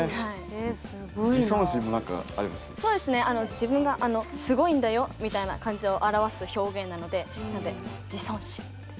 自分がすごいんだよみたいな感じを表す表現なのでなので自尊心ってやりました。